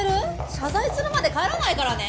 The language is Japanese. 謝罪するまで帰らないからね！